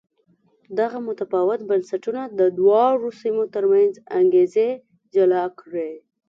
دغه متفاوت بنسټونه د دواړو سیمو ترمنځ انګېزې جلا کړې.